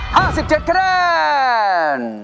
๕๗คะแนน